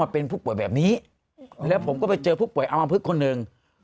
เป็นผู้ป่วยแบบนี้แล้วผมก็ไปเจอผู้ป่วยอมพลึกคนหนึ่ง